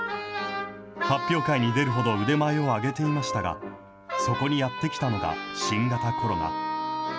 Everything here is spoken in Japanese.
発表会に出るほど腕前を上げていましたが、そこにやってきたのが新型コロナ。